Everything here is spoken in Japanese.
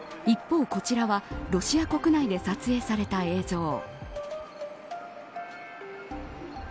一方、こちらはロシア国内で撮影された映像。